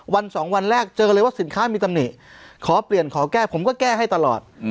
วันสองวันแรกเจอกันเลยว่าสินค้ามีตำหนิขอเปลี่ยนขอแก้ผมก็แก้ให้ตลอด